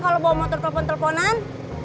kalau bawa motor telepon teleponan